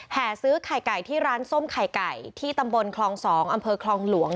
ซื้อไข่ไก่ที่ร้านส้มไข่ไก่ที่ตำบลคลอง๒อำเภอคลองหลวง